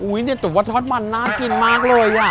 อู้ยดีจบของทอดมันน่ากินมากเลยอ่ะ